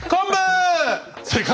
正解！